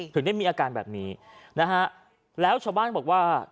ถึงได้มีอาการแบบนี้นะฮะแล้วชาวบ้านบอกว่า